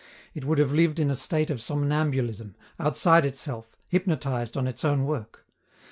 It would have lived in a state of somnambulism, outside itself, hypnotized on its own work.